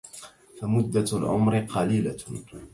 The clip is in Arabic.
فَمُدَّةُ الْعُمُرِ قَلِيلَةٌ